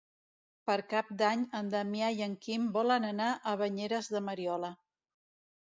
Per Cap d'Any en Damià i en Quim volen anar a Banyeres de Mariola.